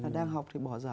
đang học thì bỏ giả